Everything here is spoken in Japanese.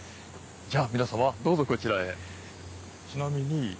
じゃあ皆様どうぞこちらへ。